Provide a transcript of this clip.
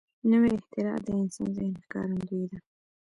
نوې اختراع د انسان ذهن ښکارندوی ده